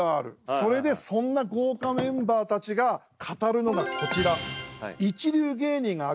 それでそんな豪華メンバーたちが語るのがこちら。